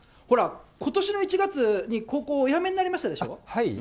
ことしの１月に高校をお辞めになりましたでしょ。